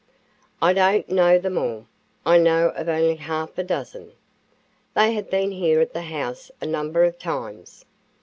"I don't know them all. I know of only half a dozen. They have been here at the house a number of times.